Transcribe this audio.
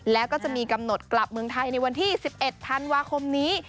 แล้วก็จะมีกำหนดกลับเมืองไทยในวันที่๑๑ธันวาคมนี้